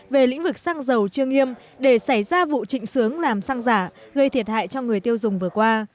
về lĩnh vực xăng dầu trương nghiêm để xảy ra vụ trịnh sướng làm xăng giả gây thiệt hại cho người tiêu dùng vừa qua